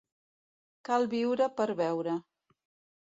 Cal viure per veure.